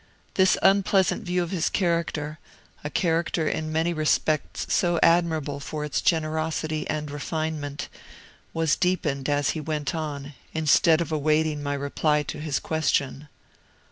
This unpleasant view of his character a character in many respects so admirable for its generosity and refinement was deepened as he went on, instead of awaiting my reply to his question.